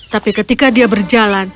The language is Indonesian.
tapi ketika dia berjalan